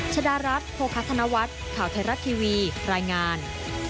ชดารัฐโภคธนวัฒน์ข่าวไทยรัฐทีวีรายงาน